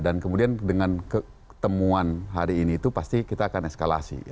dan kemudian dengan ketemuan hari ini itu pasti kita akan eskalasi